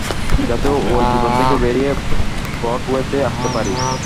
যাতে ওই জীবন থেকে বেরিয়ে ব্রডওয়েতে আসতে পারি।